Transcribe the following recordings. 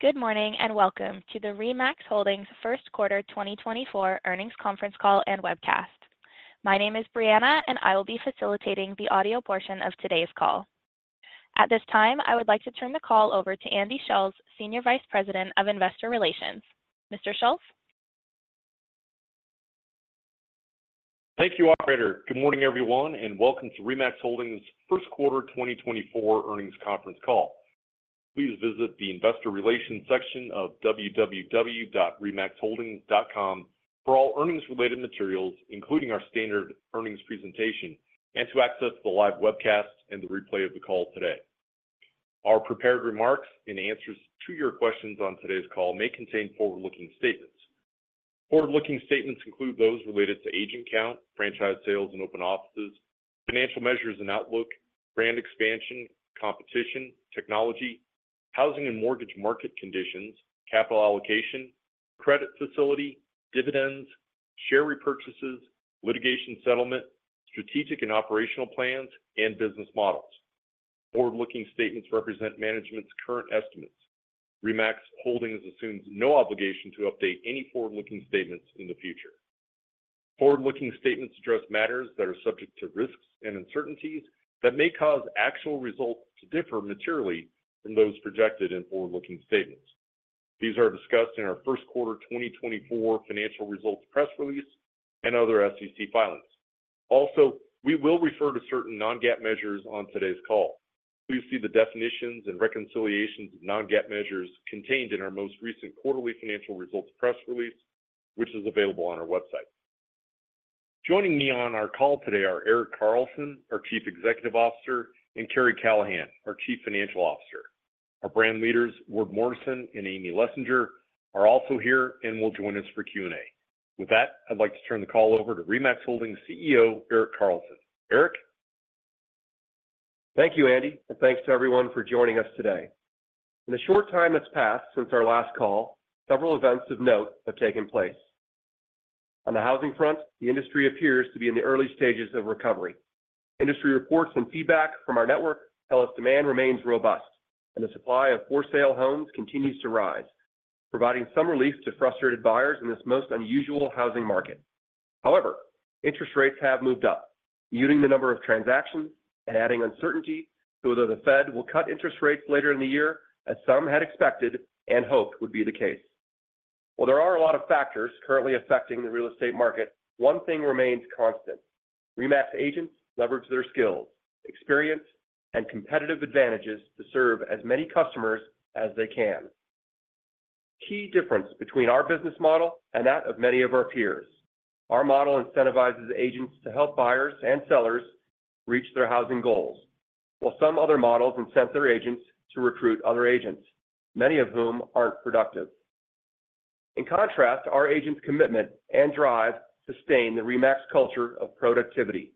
Good morning, and welcome to the RE/MAX Holdings First Quarter 2024 Earnings Conference Call and Webcast. My name is Brianna, and I will be facilitating the audio portion of today's call. At this time, I would like to turn the call over to Andy Schulz, Senior Vice President of Investor Relations. Mr. Schulz? Thank you, operator. Good morning, everyone, and welcome to RE/MAX Holdings First Quarter 2024 Earnings Conference Call. Please visit the Investor Relations section of www.remaxholdings.com for all earnings-related materials, including our standard earnings presentation, and to access the live webcast and the replay of the call today. Our prepared remarks and answers to your questions on today's call may contain forward-looking statements. Forward-looking statements include those related to agent count, franchise sales and open offices, financial measures and outlook, brand expansion, competition, technology, housing and mortgage market conditions, capital allocation, credit facility, dividends, share repurchases, litigation settlement, strategic and operational plans, and business models. Forward-looking statements represent management's current estimates. RE/MAX Holdings assumes no obligation to update any forward-looking statements in the future. Forward-looking statements address matters that are subject to risks and uncertainties that may cause actual results to differ materially from those projected in forward-looking statements. These are discussed in our first quarter 2024 financial results press release and other SEC filings. Also, we will refer to certain non-GAAP measures on today's call. Please see the definitions and reconciliations of non-GAAP measures contained in our most recent quarterly financial results press release, which is available on our website. Joining me on our call today are Erik Carlson, our Chief Executive Officer, and Karri Callahan, our Chief Financial Officer. Our brand leaders, Ward Morrison and Amy Lessinger, are also here and will join us for Q&A. With that, I'd like to turn the call over to RE/MAX Holdings CEO, Erik Carlson. Erik? Thank you, Andy, and thanks to everyone for joining us today. In the short time that's passed since our last call, several events of note have taken place. On the housing front, the industry appears to be in the early stages of recovery. Industry reports and feedback from our network tell us demand remains robust, and the supply of for-sale homes continues to rise, providing some relief to frustrated buyers in this most unusual housing market. However, interest rates have moved up, muting the number of transactions and adding uncertainty to whether the Fed will cut interest rates later in the year, as some had expected and hoped would be the case. Well, there are a lot of factors currently affecting the real estate market. One thing remains constant: RE/MAX agents leverage their skills, experience, and competitive advantages to serve as many customers as they can. Key difference between our business model and that of many of our peers, our model incentivizes agents to help buyers and sellers reach their housing goals, while some other models incent their agents to recruit other agents, many of whom aren't productive. In contrast, our agents' commitment and drive sustain the RE/MAX culture of productivity,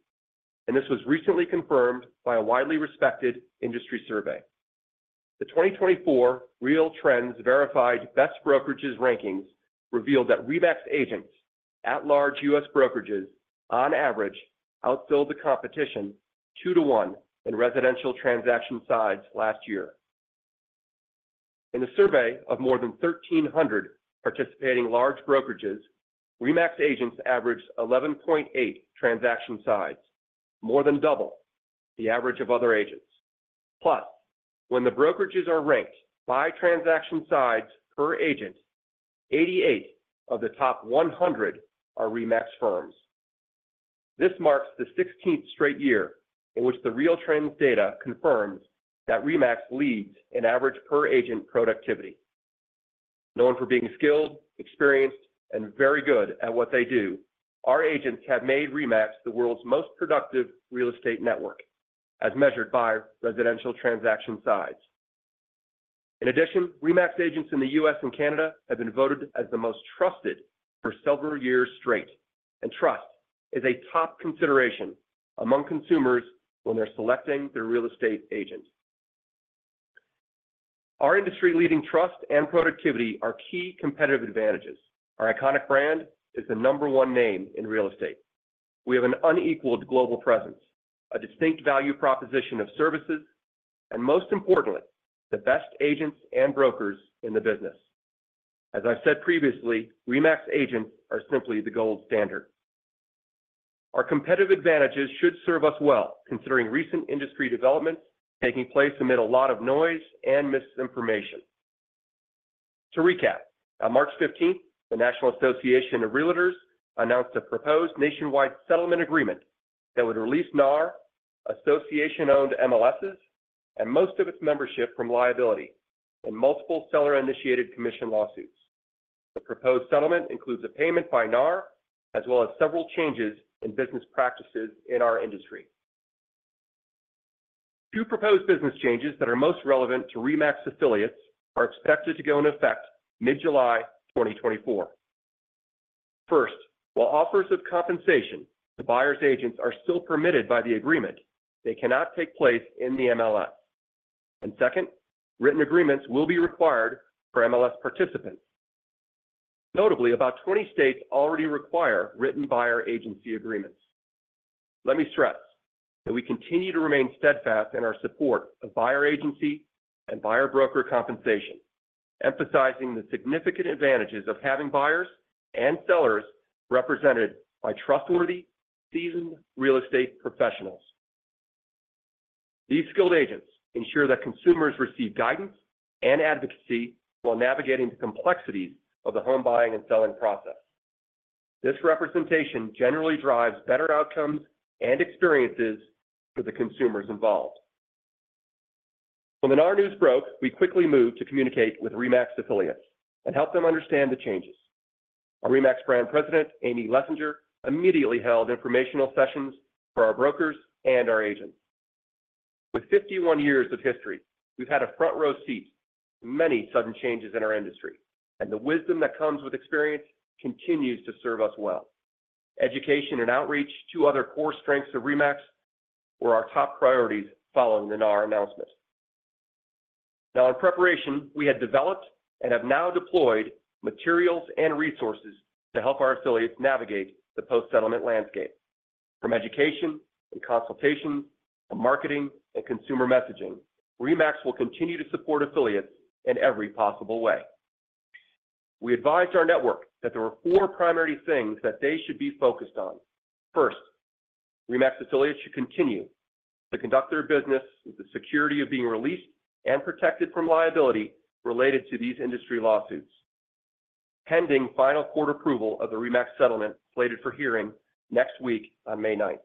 and this was recently confirmed by a widely respected industry survey. The 2024 RealTrends Verified Best Brokerages rankings revealed that RE/MAX agents at large U.S. brokerages on average outsold the competition 2-to-1 in residential transaction sides last year. In a survey of more than 1,300 participating large brokerages, RE/MAX agents averaged 11.8 transaction sides, more than double the average of other agents. Plus, when the brokerages are ranked by transaction sides per agent, 88 of the top 100 are RE/MAX firms. This marks the sixteenth straight year in which the RealTrends data confirms that RE/MAX leads in average per-agent productivity. Known for being skilled, experienced, and very good at what they do, our agents have made RE/MAX the world's most productive real estate network, as measured by residential transaction sides. In addition, RE/MAX agents in the U.S. and Canada have been voted as the most trusted for several years straight, and trust is a top consideration among consumers when they're selecting their real estate agent. Our industry-leading trust and productivity are key competitive advantages. Our iconic brand is the number one name in real estate. We have an unequaled global presence, a distinct value proposition of services, and most importantly, the best agents and brokers in the business. As I've said previously, RE/MAX agents are simply the gold standard. Our competitive advantages should serve us well, considering recent industry developments taking place amid a lot of noise and misinformation. To recap, on March fifteenth, the National Association of Realtors announced a proposed nationwide settlement agreement that would release NAR, association-owned MLSs, and most of its membership from liability in multiple seller-initiated commission lawsuits. The proposed settlement includes a payment by NAR, as well as several changes in business practices in our industry. Two proposed business changes that are most relevant to RE/MAX affiliates are expected to go in effect mid-July 2024. First, while offers of compensation to buyers' agents are still permitted by the agreement, they cannot take place in the MLS. And second, written agreements will be required for MLS participants. Notably, about 20 states already require written buyer agency agreements. Let me stress that we continue to remain steadfast in our support of buyer agency and buyer broker compensation, emphasizing the significant advantages of having buyers and sellers represented by trustworthy, seasoned real estate professionals. These skilled agents ensure that consumers receive guidance and advocacy while navigating the complexities of the home buying and selling process. This representation generally drives better outcomes and experiences for the consumers involved. When the NAR news broke, we quickly moved to communicate with RE/MAX affiliates and help them understand the changes. Our RE/MAX Brand President, Amy Lessinger, immediately held informational sessions for our brokers and our agents. With 51 years of history, we've had a front-row seat to many sudden changes in our industry, and the wisdom that comes with experience continues to serve us well. Education and outreach, two other core strengths of RE/MAX, were our top priorities following the NAR announcement. Now, in preparation, we had developed and have now deployed materials and resources to help our affiliates navigate the post-settlement landscape. From education and consultation to marketing and consumer messaging, RE/MAX will continue to support affiliates in every possible way. We advised our network that there were four primary things that they should be focused on. First, RE/MAX affiliates should continue to conduct their business with the security of being released and protected from liability related to these industry lawsuits, pending final court approval of the RE/MAX settlement, slated for hearing next week on May ninth.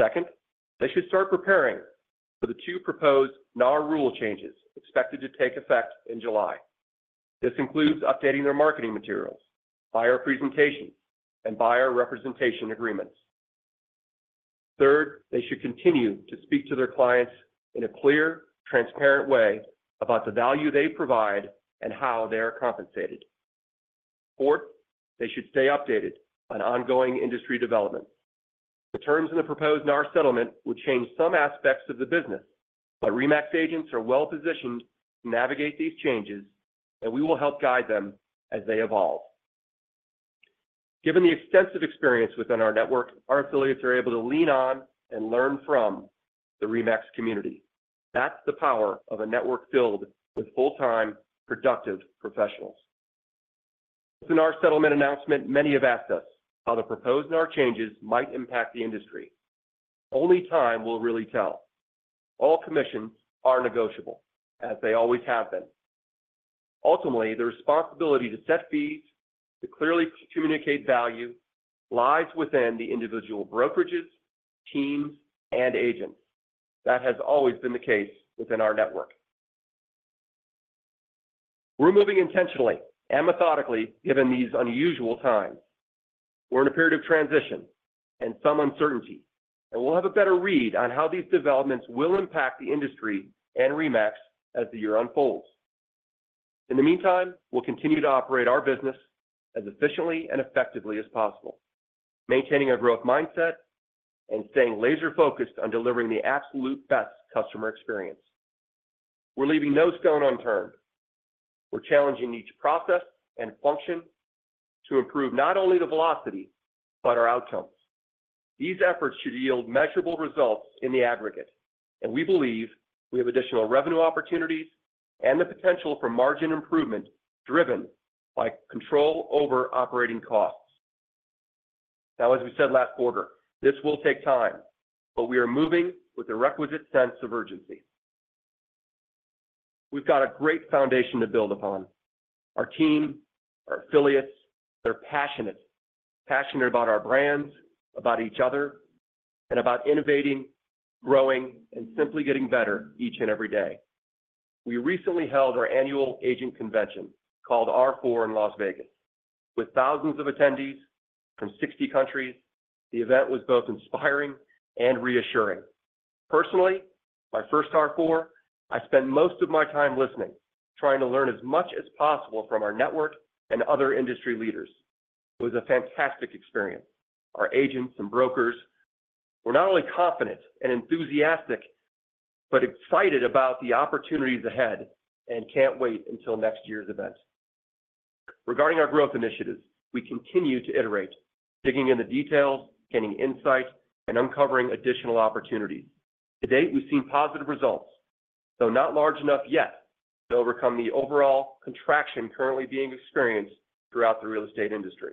Second, they should start preparing for the two proposed NAR rule changes expected to take effect in July. This includes updating their marketing materials, buyer presentations, and buyer representation agreements. Third, they should continue to speak to their clients in a clear, transparent way about the value they provide and how they are compensated. Fourth, they should stay updated on ongoing industry development. The terms in the proposed NAR settlement will change some aspects of the business, but RE/MAX agents are well-positioned to navigate these changes, and we will help guide them as they evolve. Given the extensive experience within our network, our affiliates are able to lean on and learn from the RE/MAX community. That's the power of a network filled with full-time, productive professionals. Since our settlement announcement, many have asked us how the proposed NAR changes might impact the industry. Only time will really tell. All commissions are negotiable, as they always have been. Ultimately, the responsibility to set fees, to clearly communicate value, lies within the individual brokerages, teams, and agents. That has always been the case within our network. We're moving intentionally and methodically, given these unusual times. We're in a period of transition and some uncertainty, and we'll have a better read on how these developments will impact the industry and RE/MAX as the year unfolds. In the meantime, we'll continue to operate our business as efficiently and effectively as possible, maintaining a growth mindset and staying laser-focused on delivering the absolute best customer experience. We're leaving no stone unturned. We're challenging each process and function to improve not only the velocity, but our outcomes. These efforts should yield measurable results in the aggregate, and we believe we have additional revenue opportunities and the potential for margin improvement driven by control over operating costs. Now, as we said last quarter, this will take time, but we are moving with a requisite sense of urgency. We've got a great foundation to build upon. Our team, our affiliates, they're passionate, passionate about our brands, about each other, and about innovating, growing, and simply getting better each and every day. We recently held our annual agent convention, called R4, in Las Vegas. With thousands of attendees from 60 countries, the event was both inspiring and reassuring. Personally, my first R4, I spent most of my time listening, trying to learn as much as possible from our network and other industry leaders. It was a fantastic experience. Our agents and brokers were not only confident and enthusiastic, but excited about the opportunities ahead and can't wait until next year's event. Regarding our growth initiatives, we continue to iterate, digging into details, gaining insight, and uncovering additional opportunities. To date, we've seen positive results, though not large enough yet to overcome the overall contraction currently being experienced throughout the real estate industry.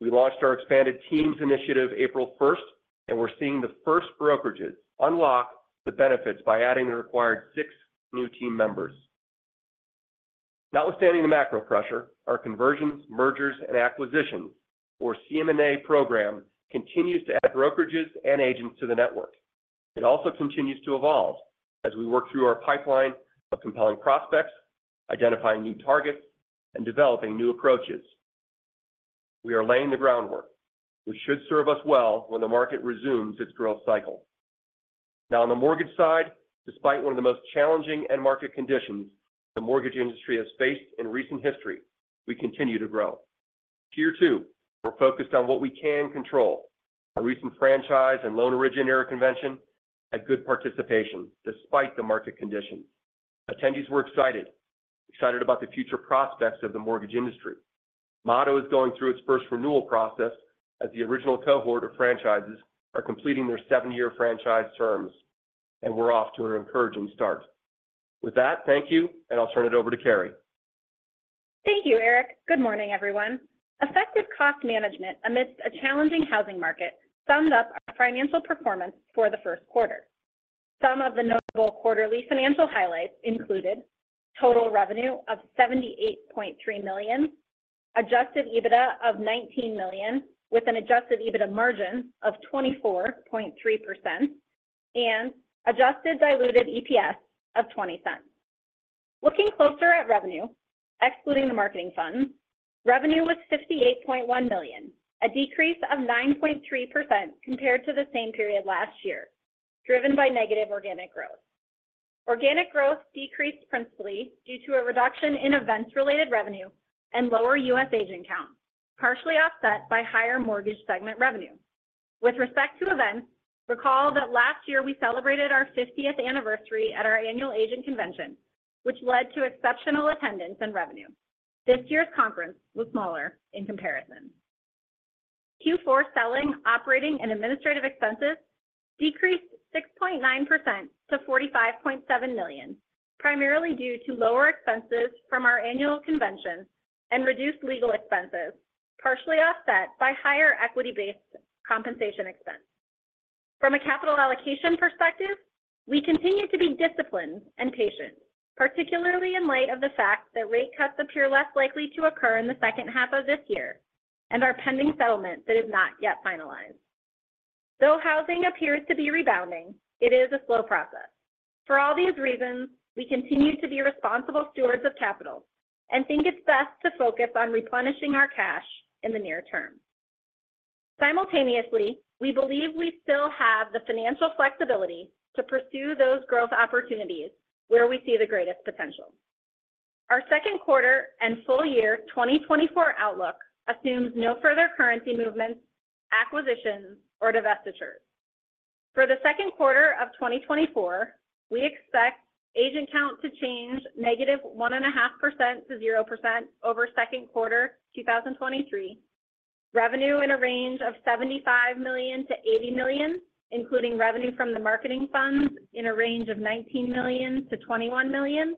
We launched our expanded teams initiative April 1, and we're seeing the first brokerages unlock the benefits by adding the required 6 new team members. Notwithstanding the macro pressure, our conversions, mergers, and acquisitions, or CM&A program, continues to add brokerages and agents to the network. It also continues to evolve as we work through our pipeline of compelling prospects, identifying new targets, and developing new approaches. We are laying the groundwork, which should serve us well when the market resumes its growth cycle. Now, on the mortgage side, despite one of the most challenging end market conditions the mortgage industry has faced in recent history, we continue to grow. Tier 2, we're focused on what we can control. Our recent franchise and loan originator convention had good participation despite the market conditions. Attendees were excited, excited about the future prospects of the mortgage industry. Motto is going through its first renewal process as the original cohort of franchises are completing their seven-year franchise terms, and we're off to an encouraging start. With that, thank you, and I'll turn it over to Karri. Thank you, Erik. Good morning, everyone. Effective cost management amidst a challenging housing market summed up our financial performance for the first quarter. Some of the notable quarterly financial highlights included: total revenue of $78.3 million, adjusted EBITDA of $19 million, with an adjusted EBITDA margin of 24.3%, and adjusted diluted EPS of $0.20. Looking closer at revenue, excluding the marketing funds, revenue was $58.1 million, a decrease of 9.3% compared to the same period last year, driven by negative organic growth. Organic growth decreased principally due to a reduction in events-related revenue and lower U.S. agent count, partially offset by higher mortgage segment revenue. With respect to events, recall that last year we celebrated our 50th anniversary at our annual agent convention, which led to exceptional attendance and revenue. This year's conference was smaller in comparison. Q4 selling, operating, and administrative expenses decreased 6.9% to $45.7 million, primarily due to lower expenses from our annual convention and reduced legal expenses, partially offset by higher equity-based compensation expense. From a capital allocation perspective, we continue to be disciplined and patient, particularly in light of the fact that rate cuts appear less likely to occur in the second half of this year and our pending settlement that is not yet finalized. Though housing appears to be rebounding, it is a slow process. For all these reasons, we continue to be responsible stewards of capital and think it's best to focus on replenishing our cash in the near term. Simultaneously, we believe we still have the financial flexibility to pursue those growth opportunities where we see the greatest potential. Our second quarter and full year 2024 outlook assumes no further currency movements, acquisitions, or divestitures. For the second quarter of 2024, we expect agent count to change -1.5% to 0% over second quarter 2023. Revenue in a range of $75 million-$80 million, including revenue from the marketing funds in a range of $19 million-$21 million,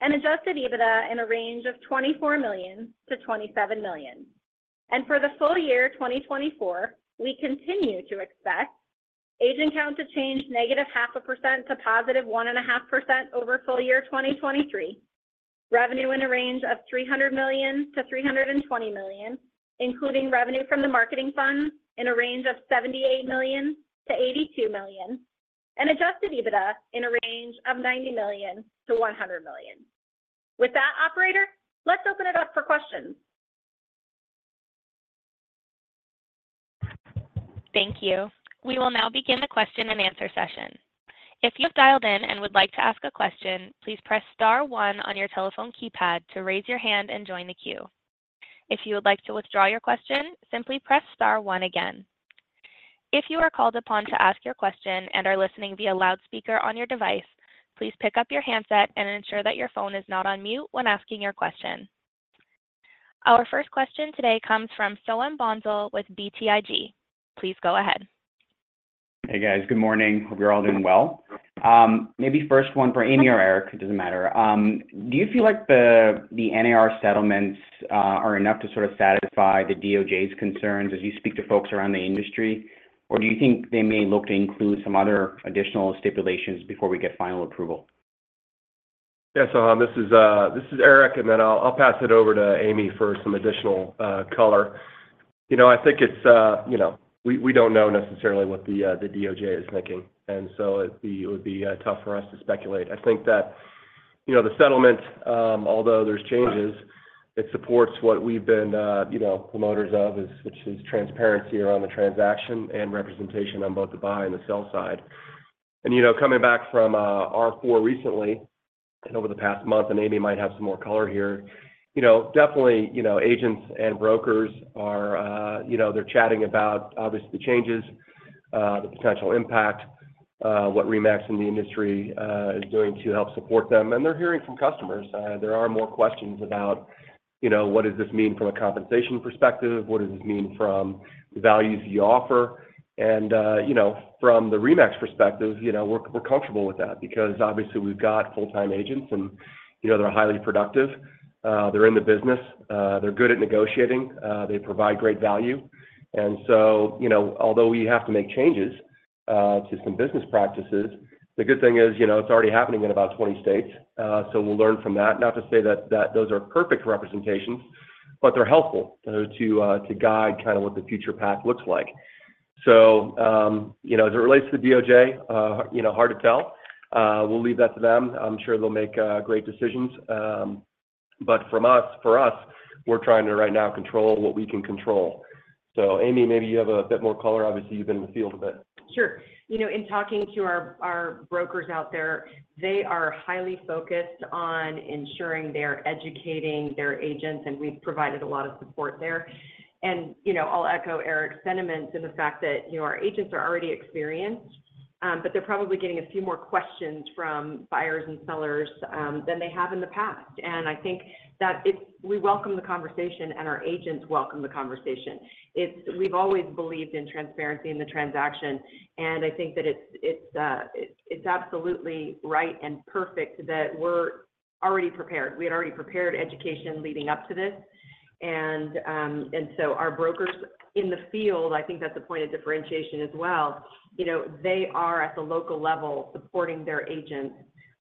and adjusted EBITDA in a range of $24 million-$27 million. For the full year 2024, we continue to expect agent count to change -0.5% to +1.5% over full year 2023.Revenue in a range of $300 million-$320 million, including revenue from the marketing fund in a range of $78 million-$82 million, and Adjusted EBITDA in a range of $90 million-$100 million. With that, operator, let's open it up for questions. Thank you. We will now begin the question and answer session. If you have dialed in and would like to ask a question, please press star one on your telephone keypad to raise your hand and join the queue. If you would like to withdraw your question, simply press star one again. If you are called upon to ask your question and are listening via loudspeaker on your device, please pick up your handset and ensure that your phone is not on mute when asking your question. Our first question today comes from Soham Bhonsle with BTIG. Please go ahead. Hey, guys. Good morning. Hope you're all doing well. Maybe first one for Amy or Erik, it doesn't matter. Do you feel like the, the NAR settlements, are enough to sort of satisfy the DOJ's concerns as you speak to folks around the industry? Or do you think they may look to include some other additional stipulations before we get final approval? Yes, Soham, this is Erik, and then I'll pass it over to Amy for some additional color. You know, I think it's you know, we don't know necessarily what the DOJ is thinking, and so it'd be it would be tough for us to speculate. I think that, you know, the settlement, although there's changes, it supports what we've been promoters of, is which is transparency around the transaction and representation on both the buy and the sell side. You know, coming back from R4 recently and over the past month, and Amy might have some more color here, you know, definitely, you know, agents and brokers are, you know, they're chatting about obviously the changes, the potential impact, what RE/MAX in the industry is doing to help support them, and they're hearing from customers. There are more questions about, you know, what does this mean from a compensation perspective? What does this mean from the values you offer? And, you know, from the RE/MAX perspective, you know, we're, we're comfortable with that because obviously we've got full-time agents, and, you know, they're highly productive. They're in the business, they're good at negotiating, they provide great value. And so, you know, although we have to make changes to some business practices, the good thing is, you know, it's already happening in about 20 states, so we'll learn from that. Not to say that those are perfect representations, but they're helpful to guide kind of what the future path looks like. So, you know, as it relates to the DOJ, you know, hard to tell. We'll leave that to them. I'm sure they'll make great decisions. But for us, we're trying right now to control what we can control. So Amy, maybe you have a bit more color. Obviously, you've been in the field a bit. Sure. You know, in talking to our brokers out there, they are highly focused on ensuring they're educating their agents, and we've provided a lot of support there. And, you know, I'll echo Erik's sentiments in the fact that, you know, our agents are already experienced, but they're probably getting a few more questions from buyers and sellers than they have in the past. And I think that it, we welcome the conversation, and our agents welcome the conversation. It's, we've always believed in transparency in the transaction, and I think that it's absolutely right and perfect that we're already prepared. We had already prepared education leading up to this. and so our brokers in the field, I think that's a point of differentiation as well, you know, they are at the local level, supporting their agents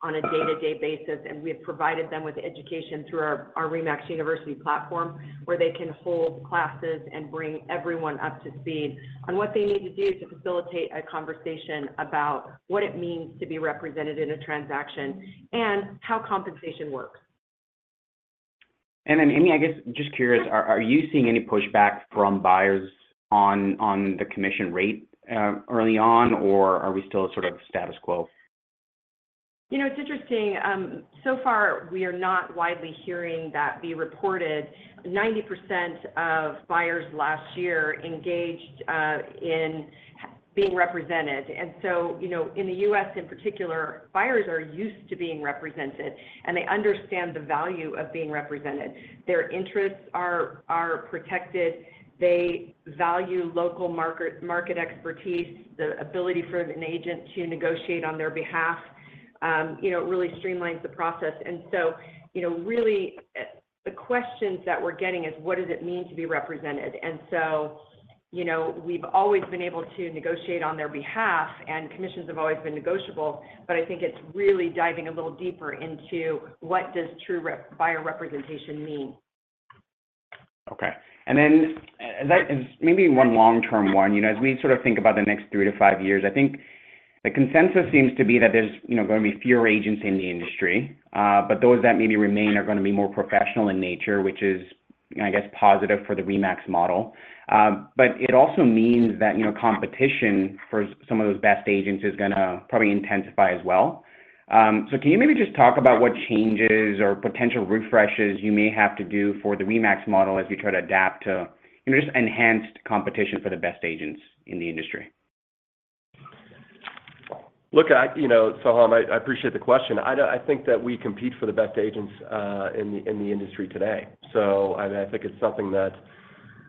on a day-to-day basis, and we have provided them with education through our RE/MAX University platform, where they can hold classes and bring everyone up to speed on what they need to do to facilitate a conversation about what it means to be represented in a transaction, and how compensation works. Then, Amy, I guess just curious, are you seeing any pushback from buyers on the commission rate early on, or are we still sort of status quo? You know, it's interesting. So far, we are not widely hearing that be reported. 90% of buyers last year engaged in being represented. And so, you know, in the U.S. in particular, buyers are used to being represented, and they understand the value of being represented. Their interests are, are protected. They value local market, market expertise, the ability for an agent to negotiate on their behalf. You know, it really streamlines the process. And so, you know, really, the questions that we're getting is: What does it mean to be represented? And so, you know, we've always been able to negotiate on their behalf, and commissions have always been negotiable, but I think it's really diving a little deeper into what does true buyer representation mean? Okay. And then that and maybe one long-term one. You know, as we sort of think about the next three to five years, I think the consensus seems to be that there's, you know, going to be fewer agents in the industry, but those that maybe remain are gonna be more professional in nature, which is, I guess, positive for the RE/MAX model. But it also means that, you know, competition for some of those best agents is gonna probably intensify as well. So can you maybe just talk about what changes or potential refreshes you may have to do for the RE/MAX model as you try to adapt to, you know, just enhanced competition for the best agents in the industry? Look, you know, Soham, I appreciate the question. I do. I think that we compete for the best agents in the industry today. So, I mean, I think it's something that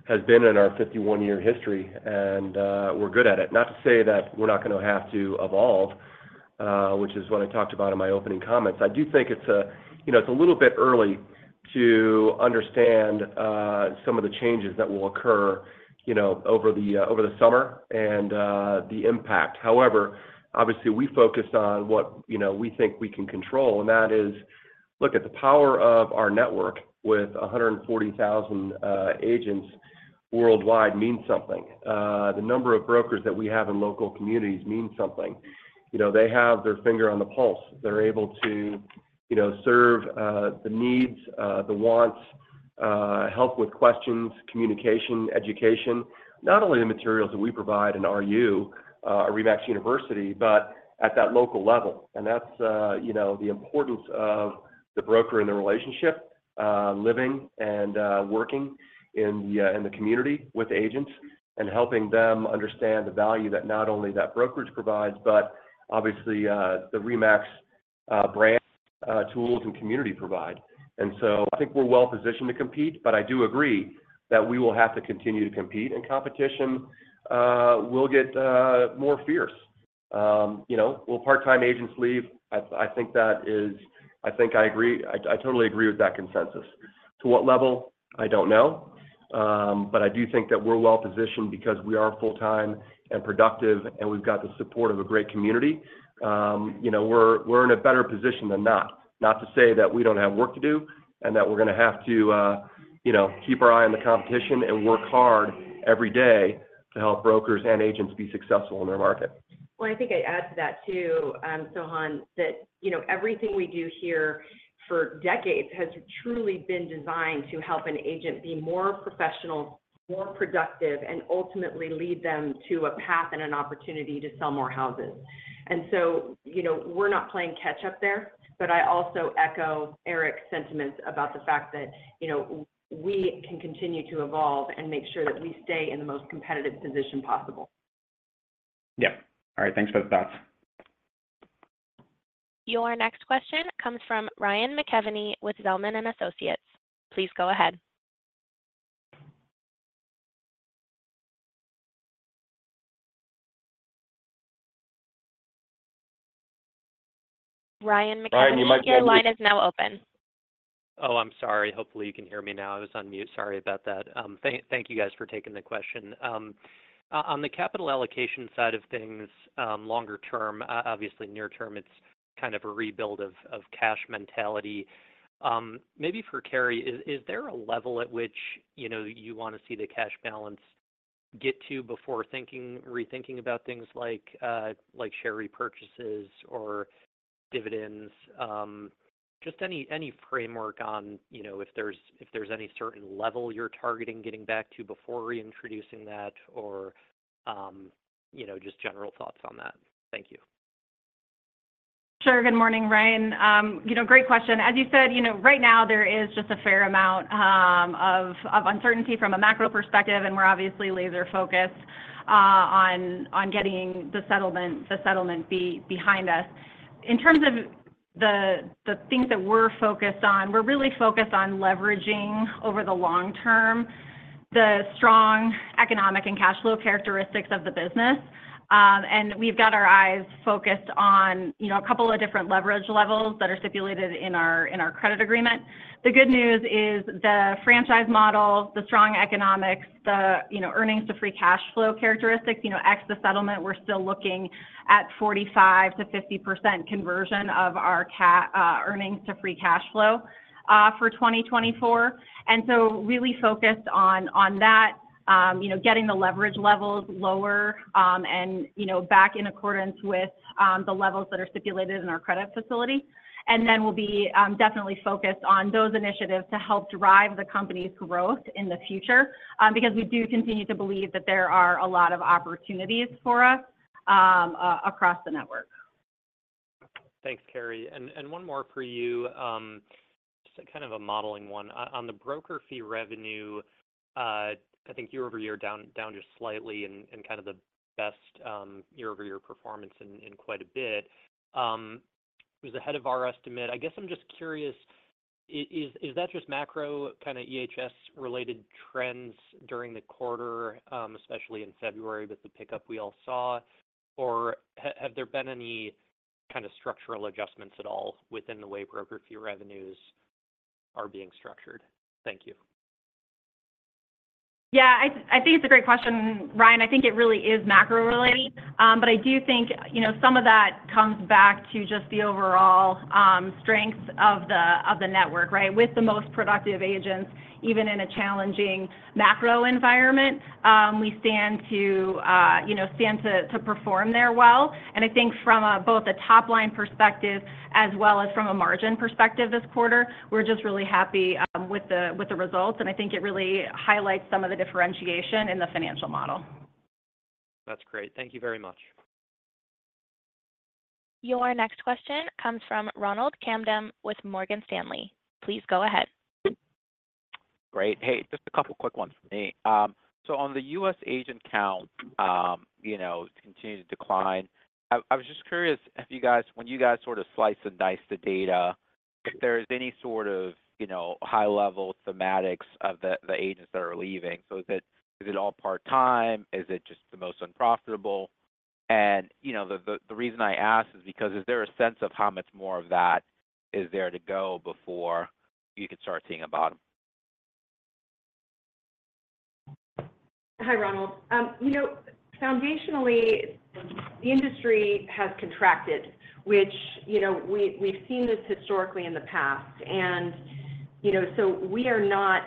has been in our 51-year history, and we're good at it. Not to say that we're not gonna have to evolve, which is what I talked about in my opening comments. I do think it's, you know, it's a little bit early to understand some of the changes that will occur, you know, over the summer, and the impact. However, obviously, we focused on what, you know, we think we can control, and that is... Look at the power of our network with 140,000 agents worldwide means something. The number of brokers that we have in local communities means something. You know, they have their finger on the pulse. They're able to, you know, serve, the needs, the wants, help with questions, communication, education, not only the materials that we provide in RU, RE/MAX University, but at that local level. And that's, you know, the importance of the broker and the relationship, living and, working in the, in the community with agents and helping them understand the value that not only that brokerage provides, but obviously, the RE/MAX, brand, tools, and community provide. And so I think we're well positioned to compete, but I do agree that we will have to continue to compete, and competition, will get, more fierce. You know, will part-time agents leave? I think that is. I think I agree. I totally agree with that consensus. To what level? I don't know. But I do think that we're well positioned because we are full-time and productive, and we've got the support of a great community. You know, we're in a better position than not. Not to say that we don't have work to do, and that we're gonna have to, you know, keep our eye on the competition and work hard every day to help brokers and agents be successful in their market. Well, I think I'd add to that, too, Soham, that, you know, everything we do here for decades has truly been designed to help an agent be more professional, more productive, and ultimately lead them to a path and an opportunity to sell more houses. And so, you know, we're not playing catch-up there, but I also echo Erik's sentiments about the fact that, you know, we can continue to evolve and make sure that we stay in the most competitive position possible. Yep. All right. Thanks for those thoughts. Your next question comes from Ryan McKeveny with Zelman & Associates. Please go ahead. Ryan McKeveny- Ryan, you might be on mute.... Your line is now open. Oh, I'm sorry. Hopefully, you can hear me now. I was on mute. Sorry about that. Thank you guys for taking the question. On the capital allocation side of things, longer term, obviously, near term, it's kind of a rebuild of cash mentality. Maybe for Karri, is there a level at which, you know, you want to see the cash balance get to before thinking—rethinking about things like, like share repurchases or dividends, just any framework on, you know, if there's any certain level you're targeting, getting back to before reintroducing that or, you know, just general thoughts on that. Thank you. Sure. Good morning, Ryan. You know, great question. As you said, you know, right now there is just a fair amount of uncertainty from a macro perspective, and we're obviously laser-focused on getting the settlement behind us. In terms of the things that we're focused on, we're really focused on leveraging over the long term the strong economic and cash flow characteristics of the business. And we've got our eyes focused on, you know, a couple of different leverage levels that are stipulated in our credit agreement. The good news is the franchise model, the strong economics, the, you know, earnings to free cash flow characteristics, you know, ex the settlement, we're still looking at 45%-50% conversion of our earnings to free cash flow for 2024. So really focused on that, you know, getting the leverage levels lower, and, you know, back in accordance with the levels that are stipulated in our credit facility. Then we'll be definitely focused on those initiatives to help drive the company's growth in the future, because we do continue to believe that there are a lot of opportunities for us across the network. Thanks, Karri. And one more for you, just kind of a modeling one. On the broker fee revenue, I think year over year, down just slightly and kind of the best year-over-year performance in quite a bit was ahead of our estimate. I guess I'm just curious, is that just macro kind of EHS-related trends during the quarter, especially in February, with the pickup we all saw? Or have there been any kind of structural adjustments at all within the way broker fee revenues are being structured? Thank you. Yeah, I think it's a great question, Ryan. I think it really is macro-related, but I do think, you know, some of that comes back to just the overall strength of the network, right? With the most productive agents, even in a challenging macro environment, we stand to, you know, stand to perform there well. And I think from both a top-line perspective as well as from a margin perspective this quarter, we're just really happy with the results, and I think it really highlights some of the differentiation in the financial model. That's great. Thank you very much. Your next question comes from Ronald Kamdem with Morgan Stanley. Please go ahead. Great. Hey, just a couple quick ones from me. So on the U.S. agent count, you know, it continued to decline. I was just curious if you guys, when you guys sort of slice and dice the data, if there is any sort of, you know, high-level thematics of the, the agents that are leaving. So is it, is it all part-time? Is it just the most unprofitable? And, you know, the, the reason I ask is because, is there a sense of how much more of that is there to go before you could start seeing a bottom? Hi, Ronald. You know, foundationally, the industry has contracted, which, you know, we've seen this historically in the past, and, you know, so we are not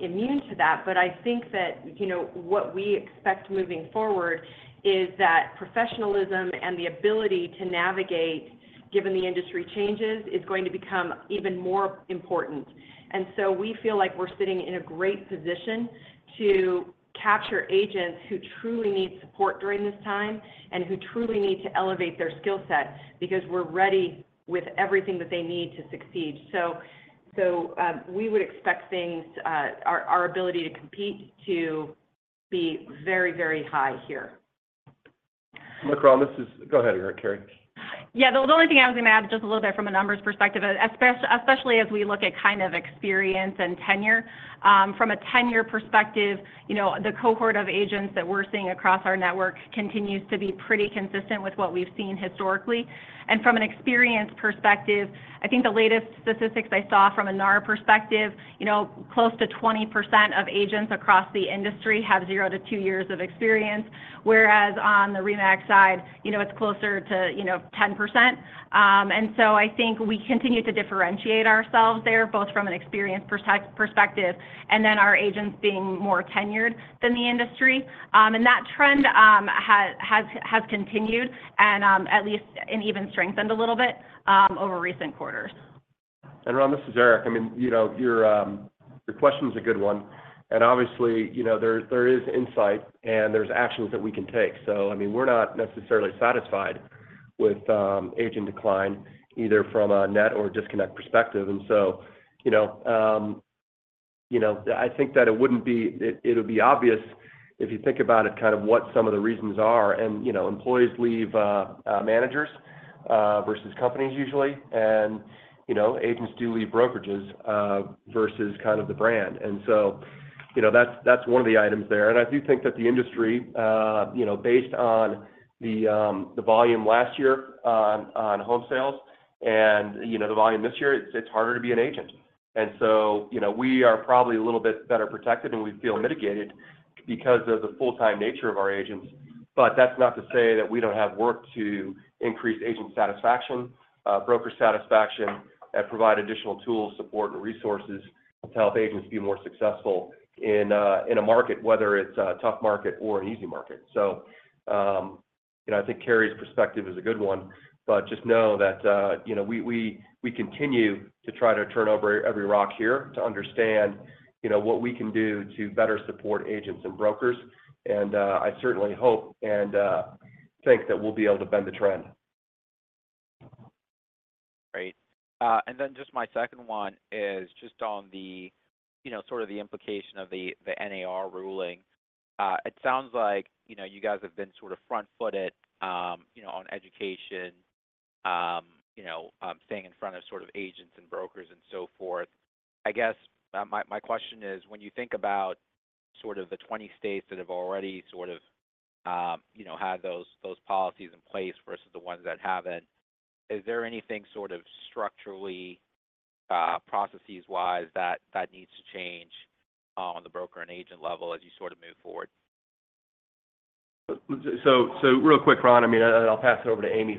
immune to that. But I think that, you know, what we expect moving forward is that professionalism and the ability to navigate, given the industry changes, is going to become even more important. And so we feel like we're sitting in a great position to capture agents who truly need support during this time and who truly need to elevate their skill set, because we're ready with everything that they need to succeed. So, we would expect things, our ability to compete to be very, very high here. Look, Ron, this is. Go ahead, Karri. Yeah, the only thing I was going to add, just a little bit from a numbers perspective, especially as we look at kind of experience and tenure. From a tenure perspective, you know, the cohort of agents that we're seeing across our network continues to be pretty consistent with what we've seen historically. And from an experience perspective, I think the latest statistics I saw from a NAR perspective, you know, close to 20% of agents across the industry have zero to two years of experience, whereas on the RE/MAX side, you know, it's closer to, you know, 10%. And so I think we continue to differentiate ourselves there, both from an experience perspective, and then our agents being more tenured than the industry. That trend has continued and at least even strengthened a little bit over recent quarters. And Ron, this is Erik. I mean, you know, your question is a good one, and obviously, you know, there is insight, and there's actions that we can take. So I mean, we're not necessarily satisfied with agent decline, either from a net or disconnect perspective. And so, you know, you know, I think that it wouldn't be, it, it would be obvious if you think about it, kind of what some of the reasons are. And, you know, employees leave managers versus companies usually, and, you know, agents do leave brokerages versus kind of the brand. And so, you know, that's, that's one of the items there. And I do think that the industry, you know, based on the volume last year on home sales and, you know, the volume this year, it's harder to be an agent. And so, you know, we are probably a little bit better protected, and we feel mitigated because of the full-time nature of our agents. But that's not to say that we don't have work to increase agent satisfaction, broker satisfaction, and provide additional tools, support, and resources to help agents be more successful in a market, whether it's a tough market or an easy market. So, you know, I think Karri's perspective is a good one, but just know that, you know, we continue to try to turn over every rock here to understand, you know, what we can do to better support agents and brokers.I certainly hope and think that we'll be able to bend the trend. Great. And then just my second one is just on the, you know, sort of the implication of the NAR ruling. It sounds like, you know, you guys have been sort of front-footed, you know, on education, staying in front of sort of agents and brokers and so forth. I guess, my question is, when you think about sort of the 20 states that have already sort of, you know, had those policies in place versus the ones that haven't, is there anything sort of structurally, processes-wise that needs to change, on the broker and agent level as you sort of move forward? So real quick, Ron, I mean, and I'll pass it over to Amy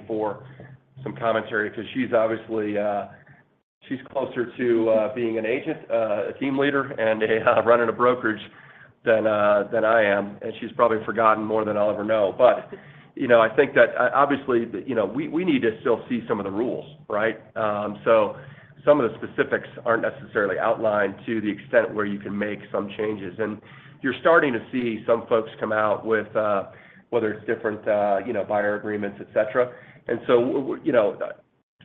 for some commentary, 'cause she's obviously, she's closer to being an agent, a team leader, and running a brokerage than than I am, and she's probably forgotten more than I'll ever know. But, you know, I think that obviously, you know, we need to still see some of the rules, right? So some of the specifics aren't necessarily outlined to the extent where you can make some changes. And you're starting to see some folks come out with whether it's different, you know, buyer agreements, et cetera. And so, you know,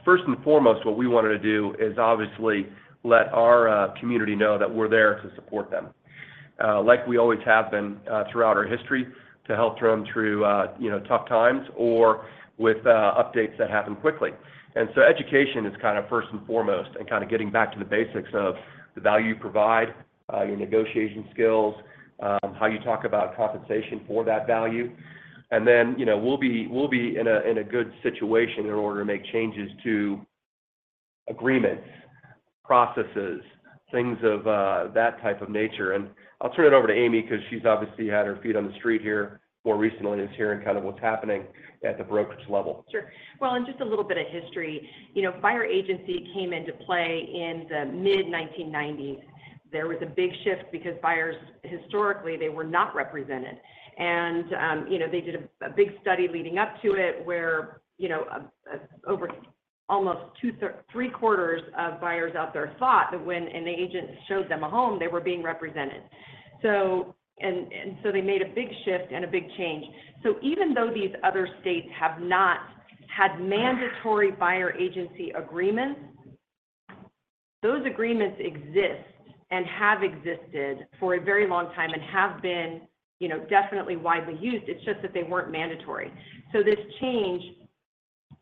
first and foremost, what we wanted to do is obviously let our community know that we're there to support them, like we always have been, throughout our history, to help them through, you know, tough times or with updates that happen quickly. And so education is kind of first and foremost and kind of getting back to the basics of the value you provide, your negotiation skills, how you talk about compensation for that value. And then, you know, we'll be, we'll be in a, in a good situation in order to make changes to agreements, processes, things of that type of nature. And I'll turn it over to Amy, 'cause she's obviously had her feet on the street here more recently and is hearing kind of what's happening at the brokerage level. Sure. Well, and just a little bit of history. You know, buyer agency came into play in the mid-1990s. There was a big shift because buyers, historically, they were not represented. And, you know, they did a big study leading up to it, where, you know, over almost two-thirds, three-quarters of buyers out there thought that when an agent showed them a home, they were being represented. So, and, and so they made a big shift and a big change. So even though these other states have not had mandatory buyer agency agreements, those agreements exist and have existed for a very long time and have been, you know, definitely widely used. It's just that they weren't mandatory. So this change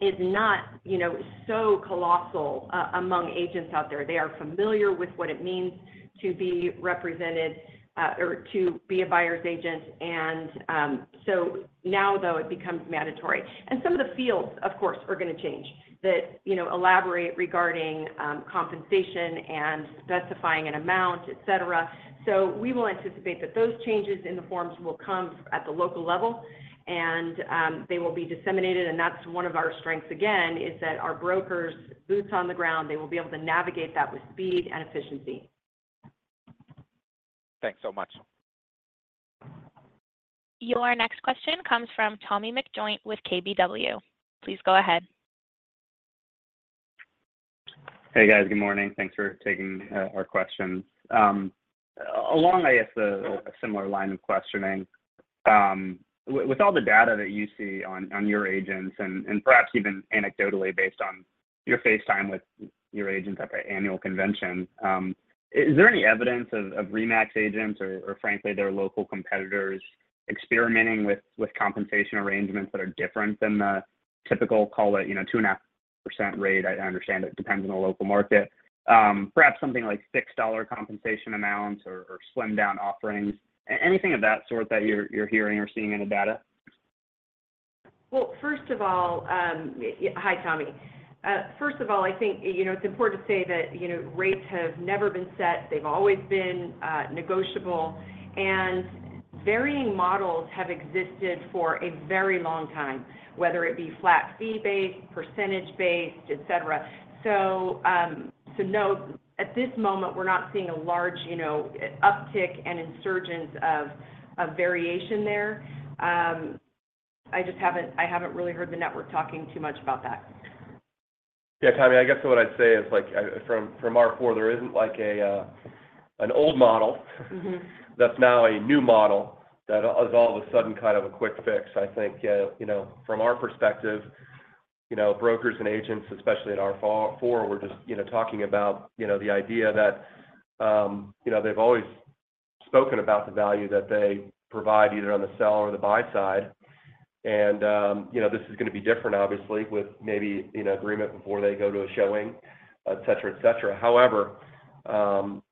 is not, you know, so colossal among agents out there. They are familiar with what it means to be represented, or to be a buyer's agent, and so now, though, it becomes mandatory. Some of the fields, of course, are gonna change, that you know elaborate regarding compensation and specifying an amount, et cetera. We will anticipate that those changes in the forms will come at the local level, and they will be disseminated, and that's one of our strengths again, is that our brokers, boots on the ground, they will be able to navigate that with speed and efficiency. Thanks so much. Your next question comes from Tommy McJoynt with KBW. Please go ahead. Hey, guys. Good morning. Thanks for taking our questions. Along, I guess, a similar line of questioning, with all the data that you see on your agents and perhaps even anecdotally based on your face time with your agents at the annual convention, is there any evidence of RE/MAX agents or frankly their local competitors experimenting with compensation arrangements that are different than the typical, call it, you know, 2.5% rate? I understand it depends on the local market. Perhaps something like $6 compensation amounts or slimmed-down offerings. Anything of that sort that you're hearing or seeing in the data? Well, first of all, yeah... Hi, Tommy. First of all, I think, you know, it's important to say that, you know, rates have never been set. They've always been, negotiable, and varying models have existed for a very long time, whether it be flat fee-based, percentage-based, et cetera. So, so no, at this moment, we're not seeing a large, you know, uptick and insurgence of variation there. I just haven't really heard the network talking too much about that. Yeah, Tommy, I guess what I'd say is, like, from our floor, there isn't like a, an old model- Mm-hmm. That's now a new model that is all of a sudden kind of a quick fix. I think, you know, from our perspective, you know, brokers and agents, especially at our floor, were just, you know, talking about, you know, the idea that, they've always spoken about the value that they provide, either on the sell or the buy side. And, you know, this is gonna be different, obviously, with maybe, you know, agreement before they go to a showing, et cetera, et cetera. However,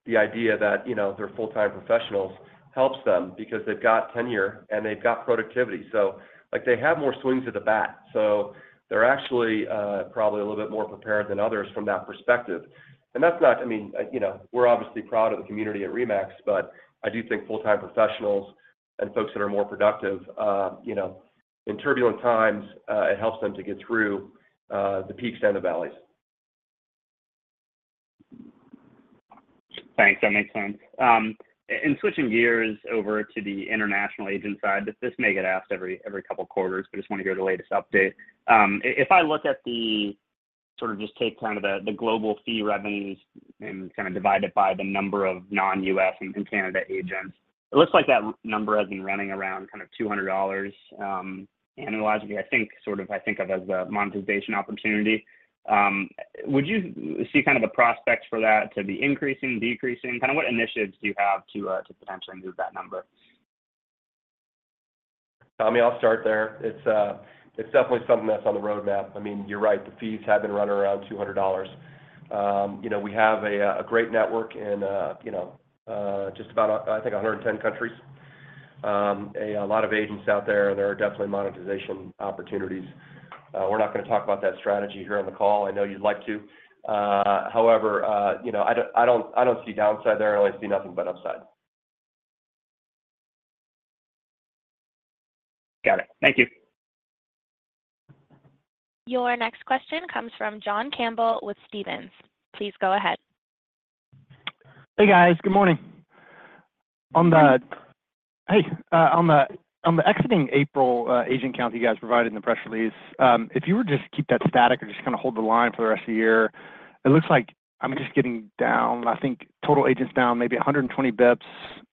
the idea that, you know, they're full-time professionals helps them because they've got tenure, and they've got productivity. So, like, they have more swings at the bat, so they're actually, probably a little bit more prepared than others from that perspective. And that's not, I mean, you know, we're obviously proud of the community at RE/MAX, but I do think full-time professionals and folks that are more productive, you know, in turbulent times, it helps them to get through, the peaks and the valleys. Thanks, that makes sense. In switching gears over to the international agent side, this may get asked every couple quarters, but just want to go to the latest update. If I look at the, sort of just take kind of the global fee revenues and kind of divide it by the number of non-U.S. and Canada agents, it looks like that number has been running around kind of $200. And logically, I think, sort of, I think of as a monetization opportunity. Would you see kind of a prospect for that to be increasing, decreasing? Kind of what initiatives do you have to potentially move that number? Tommy, I'll start there. It's definitely something that's on the roadmap. I mean, you're right, the fees have been running around $200. You know, we have a great network and, you know, just about, I think, 110 countries. A lot of agents out there, there are definitely monetization opportunities. We're not gonna talk about that strategy here on the call. I know you'd like to... However, you know, I don't see downside there. I only see nothing but upside. Got it. Thank you. Your next question comes from John Campbell with Stephens. Please go ahead. Hey, guys. Good morning. On the- Hi. Hey, on the exiting April agent count you guys provided in the press release, if you were just keep that static or just kinda hold the line for the rest of the year, it looks like, I mean, just getting down, I think total agents down maybe 120 basis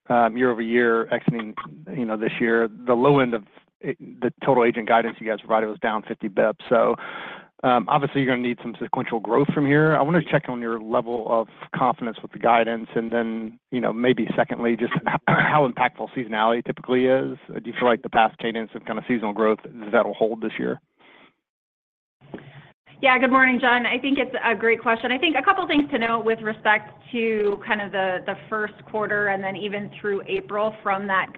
points, year-over-year, exiting, you know, this year. The low end of the total agent guidance you guys provided was down 50 basis points. So, obviously, you're gonna need some sequential growth from here. I wanted to check on your level of confidence with the guidance, and then, you know, maybe secondly, just how impactful seasonality typically is. Do you feel like the past cadence of kind of seasonal growth, that'll hold this year? Yeah, good morning, John. I think it's a great question. I think a couple things to note with respect to kind of the first quarter, and then even through April from that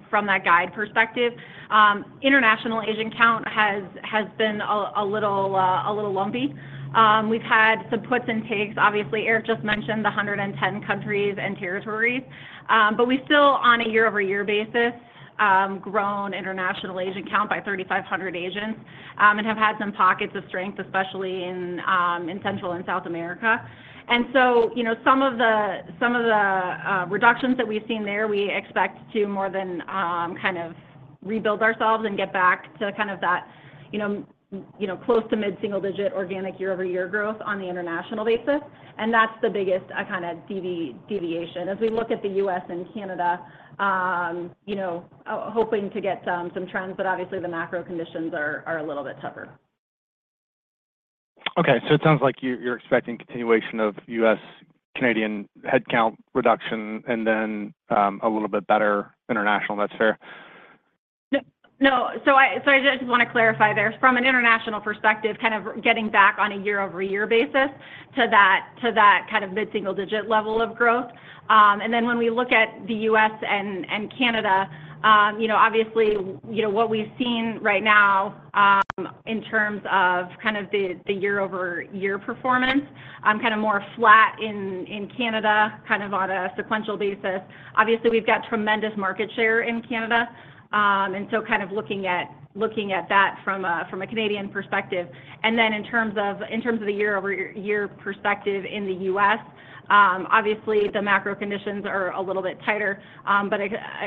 guide perspective. International agent count has been a little lumpy. We've had some puts and takes. Obviously, Eric just mentioned the 110 countries and territories, but we still, on a year-over-year basis, grown international agent count by 3,500 agents, and have had some pockets of strength, especially in Central and South America. So, you know, some of the reductions that we've seen there, we expect to more than kind of rebuild ourselves and get back to kind of that, you know, you know, close to mid-single-digit organic year-over-year growth on the international basis, and that's the biggest kind of deviation. As we look at the US and Canada, you know, hoping to get some trends, but obviously the macro conditions are a little bit tougher. Okay. So it sounds like you're expecting continuation of U.S., Canadian headcount reduction, and then a little bit better international. That's fair? No. So I just want to clarify there. From an international perspective, kind of getting back on a year-over-year basis to that, to that kind of mid-single digit level of growth. And then when we look at the US and Canada, you know, obviously, you know, what we've seen right now, in terms of the year-over-year performance, kinda more flat in Canada, kind of on a sequential basis. Obviously, we've got tremendous market share in Canada, and so kind of looking at that from a Canadian perspective. And then in terms of the year-over-year perspective in the US, obviously, the macro conditions are a little bit tighter, but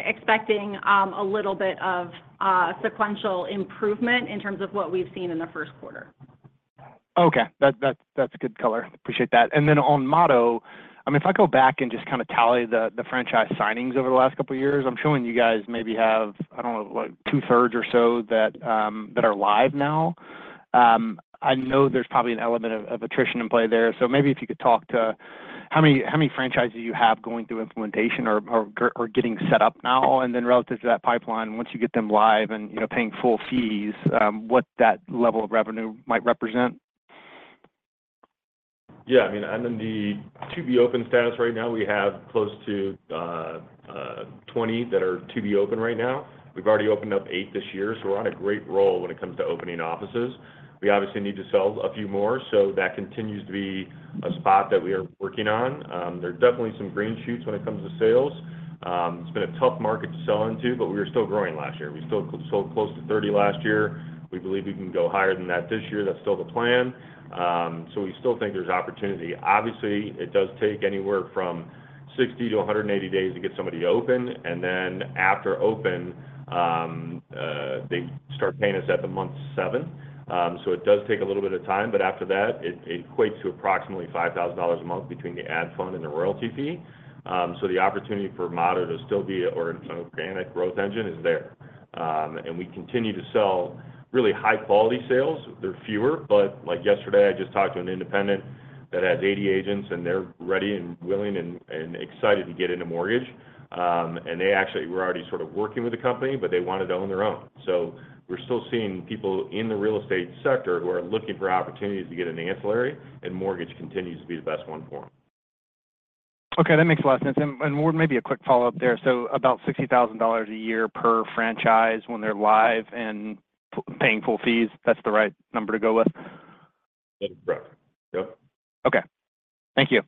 expecting a little bit of sequential improvement in terms of what we've seen in the first quarter. Okay. That, that, that's good color. Appreciate that. And then on Motto, I mean, if I go back and just kinda tally the, the franchise signings over the last couple of years, I'm showing you guys maybe have, I don't know, like 2/3 or so that are live now. I know there's probably an element of attrition in play there. So maybe if you could talk to how many franchises you have going through implementation or getting set up now, and then relative to that pipeline, once you get them live and, you know, paying full fees, what that level of revenue might represent? Yeah, I mean, and then the to-be-open status right now, we have close to 20 that are to be open right now. We've already opened up 8 this year, so we're on a great roll when it comes to opening offices. We obviously need to sell a few more, so that continues to be a spot that we are working on. There are definitely some green shoots when it comes to sales. It's been a tough market to sell into, but we were still growing last year. We still sold close to 30 last year. We believe we can go higher than that this year. That's still the plan. So we still think there's opportunity. Obviously, it does take anywhere from 60 to 180 days to get somebody open, and then after open, they start paying us at month seven. So it does take a little bit of time, but after that, it equates to approximately $5,000 a month between the ad fund and the royalty fee. So the opportunity for Motto to still be or an organic growth engine is there. And we continue to sell really high-quality sales. They're fewer, but like yesterday, I just talked to an independent that has 80 agents, and they're ready and willing and, and excited to get into mortgage. And they actually were already sort of working with a company, but they wanted to own their own. We're still seeing people in the real estate sector who are looking for opportunities to get an ancillary, and mortgage continues to be the best one for them. Okay, that makes a lot of sense. And more, maybe a quick follow-up there. So about $60,000 a year per franchise when they're live and paying full fees, that's the right number to go with? That's correct. Yep. Okay. Thank you.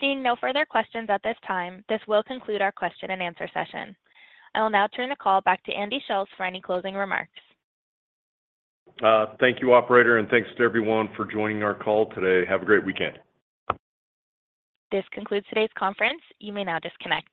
Seeing no further questions at this time, this will conclude our question and answer session. I will now turn the call back to Andy Schulz for any closing remarks. Thank you, operator, and thanks to everyone for joining our call today. Have a great weekend. This concludes today's conference. You may now disconnect.